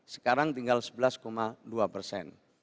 sekarang tinggal sebelas dua persen